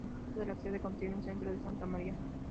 El distrito de la Sede contiene el centro de Santa Maria.